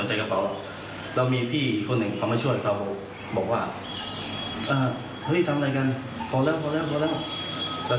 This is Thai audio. แล้วเขามาต้องขอโทษเขาเขาพูดประมาณสามครั้งอ่ะครับ